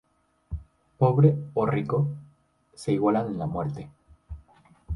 Pobre o rico, se igualan en la muerte.